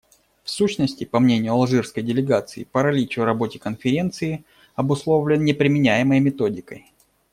В сущности, по мнению алжирской делегации, паралич в работе Конференции обусловлен не применяемой методикой.